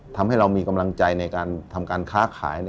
ทำให้เรามีกำลังใจในการทำการค้าขาย